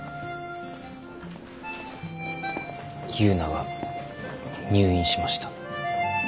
ユウナが入院しました。